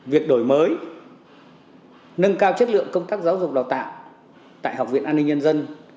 việc đổi mới nâng cao chất lượng công tác giáo dục đào tạo tại học viện an ninh nhân dân